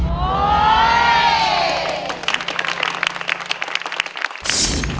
โอ้ย